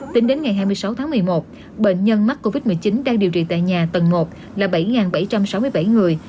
tính đến ngày hai mươi sáu tháng một mươi một bệnh nhân mắc covid một mươi chín đang điều trị tại nhà tầng một là bảy bảy trăm sáu mươi bảy người